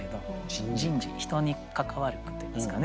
人事人に関わる句といいますかね。